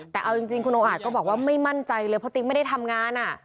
แต่เอาจริงคุณโออาจก็บอกว่าไม่มั่นใจเลยเพราะติ๊กไม่ได้ทำงาน